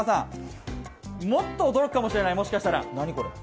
もっと驚くかもしれない、もしかしたら。